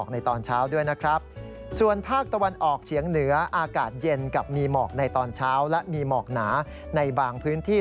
ในตอนเช้าและมีหมอกหนาในบางพื้นที่